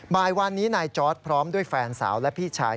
บ่ายวันนี้นายจอร์ดพร้อมด้วยแฟนสาวและพี่ชาย